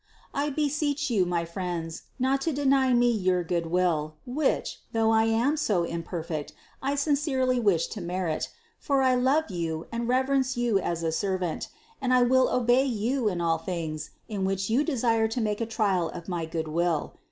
I beseech you, my friends, not to deny me your good will, which, though I am so imperfect, I sincerely wish to merit; for I love you and reverence you as a servant, and I will obey you in all things, in which you desire to make a trial of my good will.